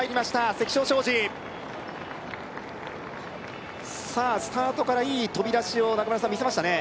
関彰商事さあスタートからいい飛び出しを中村さん見せましたね